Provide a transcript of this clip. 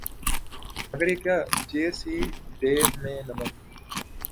مگر یہ کیا جیس ہی ڈے میں نمک